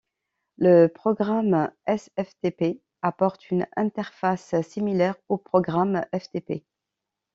Le programme sftp apporte une interface similaire au programme ftp.